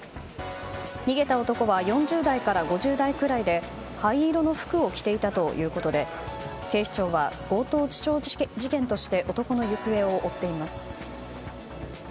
逃げた男は４０代から５０代くらいで灰色の服を着ていたということで警視庁は強盗致傷事件として男の行方を追っています。